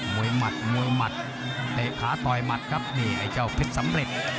หมัดมวยหมัดเตะขาต่อยหมัดครับนี่ไอ้เจ้าเพชรสำเร็จ